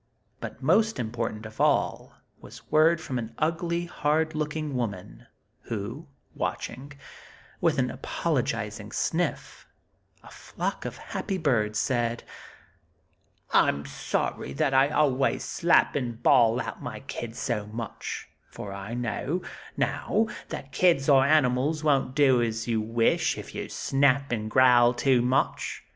But most important of all was word from an ugly, hard looking woman, who, watching, with an apologizing sniff, a flock of happy birds, said: "I'm sorry that I always slap and bawl out my kids so much, for I know, now, that kids or animals won't do as you wish if you snap and growl too much.